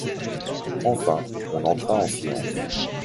Enfin, on entra en séance.